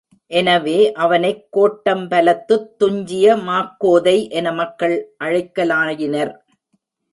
எனவே, அவனைக் கோட்டம் பலத்துத்துஞ்சிய மாக்கோதை என மக்கள் அழைக்கலாயினர்.